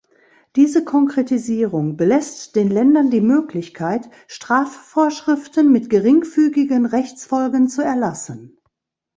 Diese Konkretisierung belässt den Ländern die Möglichkeit, Strafvorschriften mit geringfügigen Rechtsfolgen zu erlassen.